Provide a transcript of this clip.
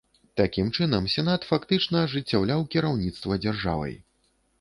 Такім чынам, сенат фактычна ажыццяўляў кіраўніцтва дзяржавай.